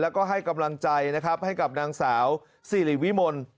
แล้วก็ให้กำลังใจนะครับให้กับนางสาวสิริวิมล